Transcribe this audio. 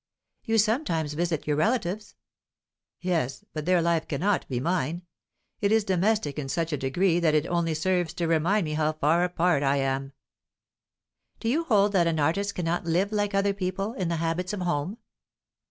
"You sometimes visit your relatives?" "Yes. But their life cannot be mine. It is domestic in such a degree that it only serves to remind me how far apart I am." "Do you hold that an artist cannot live like other people, in the habits of home?"